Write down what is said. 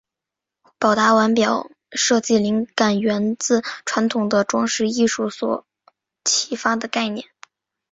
宝达腕表设计灵感源自传统的装饰艺术所启发的概念。